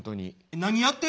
何やってんの？